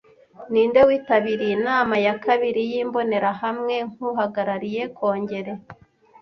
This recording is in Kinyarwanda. Ninde witabiriye Inama ya kabiri y'Imbonerahamwe nk'uhagarariye Kongere